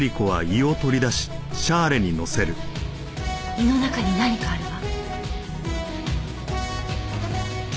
胃の中に何かあるわ。